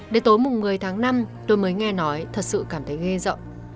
đến tối mùng một mươi tháng năm tôi mới nghe nói thật sự cảm thấy ghe rộng